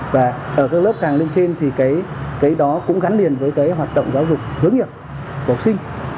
và ở các lớp càng lên trên thì cái đó cũng gắn liền với cái hoạt động giáo dục hướng nghiệp của học sinh